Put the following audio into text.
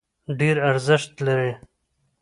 ډېر ارزښت نه لري.